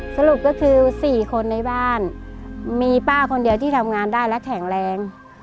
สรุปก็คือ๔คนในบ้านมีป้าคนเดียวที่ทำงานได้และแข็งแรง